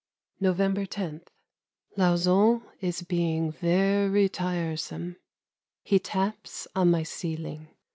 November 10. Lauzun is being very tiresome. He taps on my ceiling.